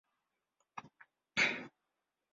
Sifa hizi tata hutokana na jeni nyingi.